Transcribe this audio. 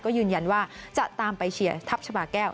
ก็ยืนยันว่าจะตามไปเชียร์ทัพชาบาแก้ว